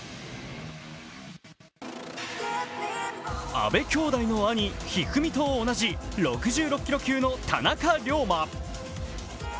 阿部きょうだいの兄・一二三と同じ、６６キロ級の田中龍馬。